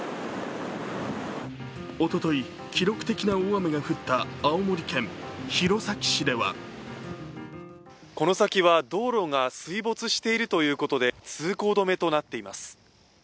おととい、記録的な大雨が降った青森県弘前市ではこの先は道路が水没しているということで通行止めとなっています。